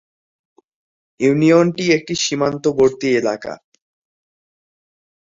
ইউনিয়নটি একটি সীমান্তবর্তী এলাকা।